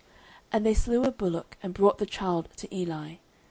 09:001:025 And they slew a bullock, and brought the child to Eli.